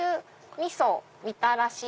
みそみたらし。